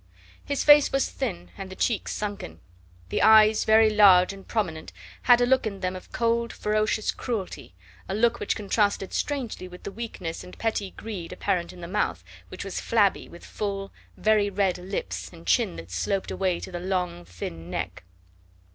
The face was thin and the cheeks sunken; the eyes, very large and prominent, had a look in them of cold and ferocious cruelty, a look which contrasted strangely with the weakness and petty greed apparent in the mouth, which was flabby, with full, very red lips, and chin that sloped away to the long thin neck.